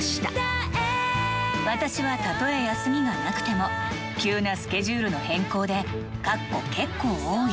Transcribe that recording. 私はたとえ休みがなくても、急なスケジュールの変更で、かっこ結構多い。